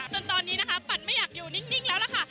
จนตอนนี้นะคะปันไม่อยากอยู่นิ่งแล้วล่ะค่ะ